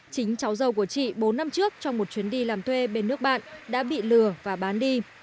chính cháu dâu của chị bốn năm trước trong một chuyến đi làm thuê bên nước bạn đã bị lừa và bán đi